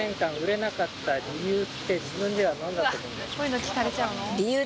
わっこういうの聞かれちゃうの？